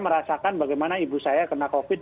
merasakan bagaimana ibu saya kena covid